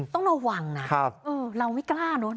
ต้องระวังนะเราไม่กล้าเนอะ